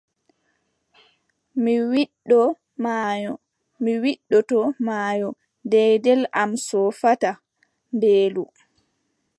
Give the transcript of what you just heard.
Mi widdoo maayo, mi widditoo maayo, deɗel am soofataa, mbeelu !